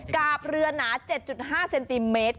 กาบเรือหนา๗๕เซนติเมตร